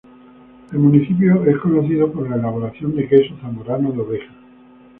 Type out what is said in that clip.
El municipio es conocido por la elaboración de queso zamorano de oveja.